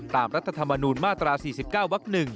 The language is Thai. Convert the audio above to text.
ตามรัฐธรรมนุนมาตรา๔๙วัก๑